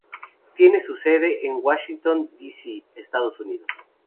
Tiene su sede en Washington D. C., Estados Unidos.